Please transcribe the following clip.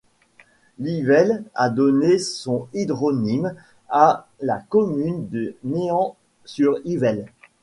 L'Yvel a donné son hydronyme à la commune de Néant-sur-Yvel.